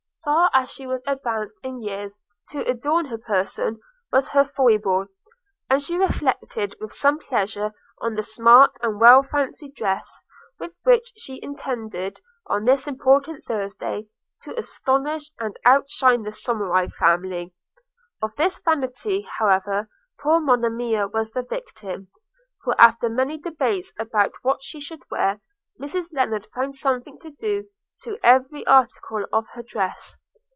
Far as she was advanced in years, to adorn her person was her foible; and she reflected with some pleasure on the smart and well fancied dress with which she intended, on this important Thursday, to astonish and outshine the Somerive family. Of this vanity, however, poor Monimia was the victim; for, after many debates about what she should wear, Mrs Lennard found something to do to every article of her dress.